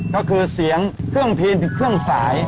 ก็คือเสียงเครื่องพีนหรือเครื่องสาย